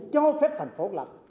cho phép thành phố lập